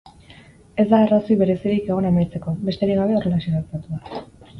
Ez da arrazoi berezirik egon amaitzeko, besterik gabe horrelaxe gertatu da.